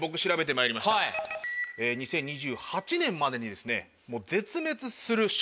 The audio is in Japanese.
２０２８年までにですね絶滅する職。